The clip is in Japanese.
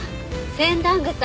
センダングサ。